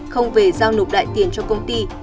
không về giao nộp đại tiền cho công ty